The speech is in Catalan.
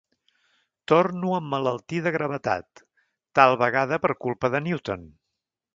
Torno a emmalaltir de gravetat, tal vegada per culpa de Newton.